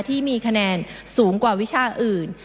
ที่มีคะแนนสูงกว่าวิชาอื่น